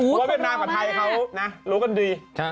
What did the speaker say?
เวียดนามกว่าไทยเขารู้กันดี